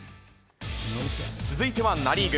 続いてはナ・リーグ。